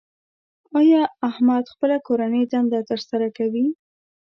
ایا احمد خپله کورنۍ دنده تر سره کوي؟